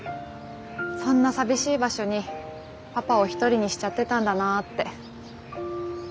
そんな寂しい場所にパパを一人にしちゃってたんだなって。